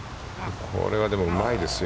これはうまいですよ。